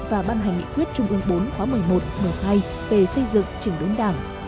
và ban hành nghị quyết trung ương bốn khóa một mươi một một hai về xây dựng trình đống đảng